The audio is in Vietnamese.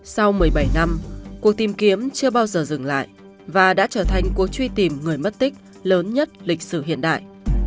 sau một mươi bảy năm cuộc tìm kiếm chưa bao giờ dừng lại và đã trở thành cuộc truy tìm người mất tích lớn nhất lịch sử hiện đại